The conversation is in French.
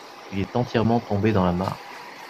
Il est entièrement tombé dans la mare.